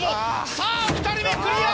さぁ２人目クリア！